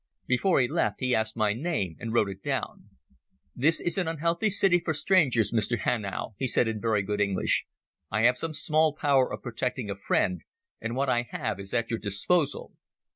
Before he left he asked my name and wrote it down. "This is an unhealthy city for strangers, Mr Hanau," he said in very good English. "I have some small power of protecting a friend, and what I have is at your disposal."